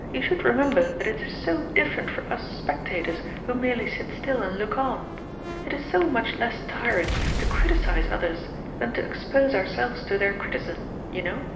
" You should remember that it is so different for us spectators, who merely sit still and look on. It is so much less tiring to criticise others than to expose ourselves to their criticism, you know.'